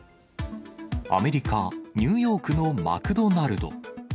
アメリカ・ニューヨークのマクドナルド。